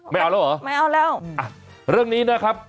ไม่เอาแล้วเหรออ๋อเรื่องนี้นะครับ